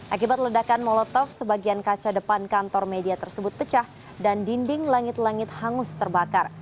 akibat ledakan molotov sebagian kaca depan kantor media tersebut pecah dan dinding langit langit hangus terbakar